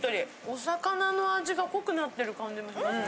お魚の味が濃くなってる感じもします。